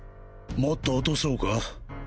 もっと落とそうか？